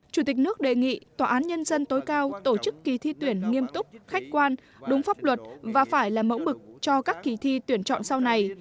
chủ tịch nước đề nghị tòa án nhân dân tối cao tổ chức kỳ thi tuyển nghiêm túc khách quan đúng pháp luật và phải là mẫu mực cho các kỳ thi tuyển chọn sau này